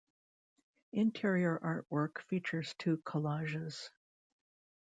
Interior artwork features two collages.